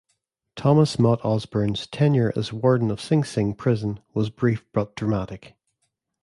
Thomas Mott Osborne's tenure as warden of Sing Sing prison was brief but dramatic.